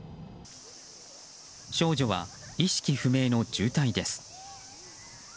少女は意識不明の重体です。